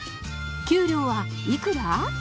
給料はいくら？